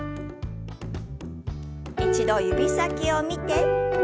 一度指先を見て。